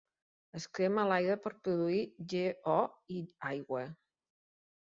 Es crema a l'aire per produir GeO i aigua.